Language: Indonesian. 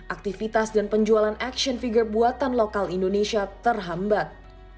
aktivitas dan penjualan action figure buatan lokal indonesia terhambat